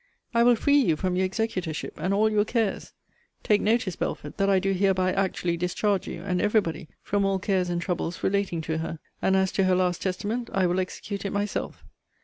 I will free you from your executorship, and all your cares. Take notice, Belford, that I do hereby actually discharge you, and every body, from all cares and troubles relating to her. And as to her last testament, I will execute it myself.